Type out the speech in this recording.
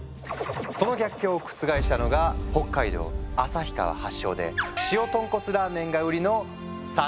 その逆境を覆したのが北海道旭川発祥で塩豚骨ラーメンが売りの「山頭火」。